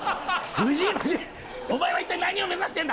藤井、お前は一体何を目指してるんだ。